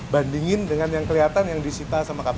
bandingin dengan yang kelihatan yang disita sama kpk